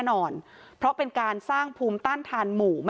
ก็คือเป็นการสร้างภูมิต้านทานหมู่ทั่วโลกด้วยค่ะ